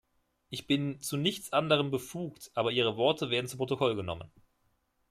Ich bin zu nichts anderem befugt, aber Ihre Worte werden zu Protokoll genommen.